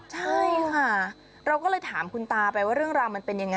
ใช่ค่ะเราก็เลยถามคุณตาไปว่าเรื่องราวมันเป็นยังไง